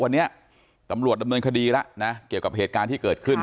วันนี้ตำรวจดำเนินคดีแล้วนะเกี่ยวกับเหตุการณ์ที่เกิดขึ้น